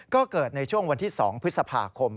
ก็เกิดในช่วงวันที่๒พฤษภาคม